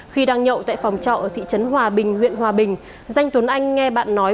khi đang nhậu tại phòng trọ ở thị trấn hòa bình huyện hòa bình danh tuấn anh nghe bạn nói